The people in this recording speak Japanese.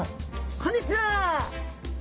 こんにちは。